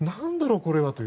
これはという。